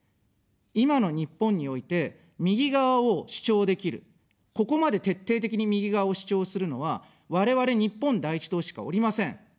今の日本において、右側を主張できる、ここまで徹底的に右側を主張するのは我々、日本第一党しかおりません。